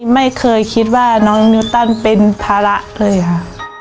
ไม่เคยคิดว่าน้องนิวตันเป็นภาระเลยค่ะ